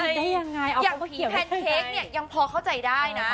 อย่างแพนเค้กเนี่ยยังพอเข้าใจได้นะ